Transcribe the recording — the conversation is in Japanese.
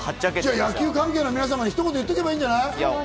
野球関係の皆様に言っておけばいいんじゃない？